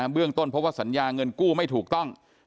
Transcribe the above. เบื้องต้นเพราะว่าสัญญาเงินกู้ไม่ถูกต้อง